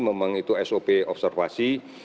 memang itu sop observasi